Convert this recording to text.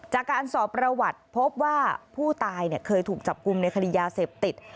จากการสอบประวัติพบว่าผู้ตายเคยถูกจับกลุ่มในคดียาเสพติด